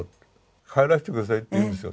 帰らせて下さいって言うんですよ。